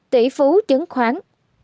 tỷ phú chứng khoán